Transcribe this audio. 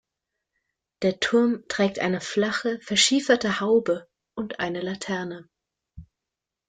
Der Turm trägt eine flache, verschieferte Haube und eine Laterne.